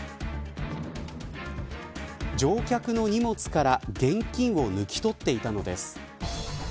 乗客の荷物から現金を抜き取っていたのです。